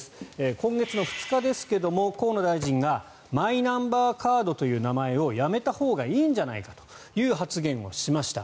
今月の２日ですが、河野大臣がマイナンバーカードという名前をやめたほうがいいんじゃないかという発言をしました。